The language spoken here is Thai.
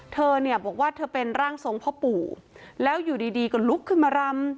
เธอเนี่ยบอกว่าเธอเป็นร่างทรงพ่อปู่แล้วอยู่ดีดีก็ลุกขึ้นมารำ